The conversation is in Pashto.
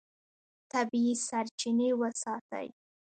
طبیعي سرچینې وساتئ.